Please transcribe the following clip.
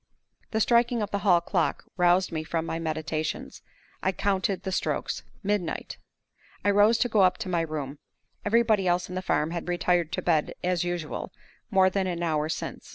The striking of the hall clock roused me from my meditations. I counted the strokes midnight! I rose to go up to my room. Everybody else in the farm had retired to bed, as usual, more than an hour since.